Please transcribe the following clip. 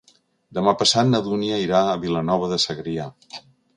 Demà passat na Dúnia irà a Vilanova de Segrià.